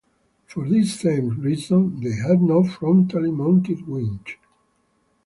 For this same reason, they had no frontally-mounted winch.